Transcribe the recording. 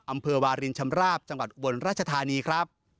อำเภอวารินชำราบจังหวัดอุบลราชธานีครับ